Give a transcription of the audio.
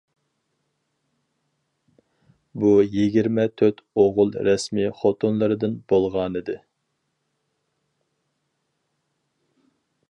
بۇ يىگىرمە تۆت ئوغۇل رەسمىي خوتۇنلىرىدىن بولغانىدى.